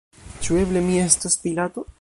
Ĉu eble mi estos Pilato?